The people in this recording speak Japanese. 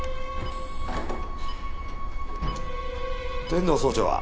天堂総長は？